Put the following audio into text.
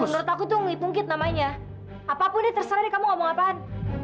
oh menurut aku tuh ngungkit namanya apapun deh terserah deh kamu ngomong apaan